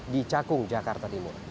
di cakung jakarta timur